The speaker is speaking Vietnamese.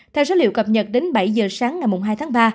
theo số liệu cập nhật đến bảy giờ sáng ngày hai tháng ba